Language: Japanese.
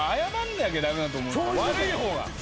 悪い方が。